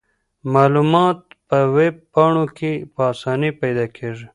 معلومات په ویب پاڼو کې په اسانۍ پیدا کیږي.